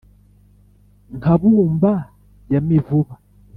nka bumba ya mivuba.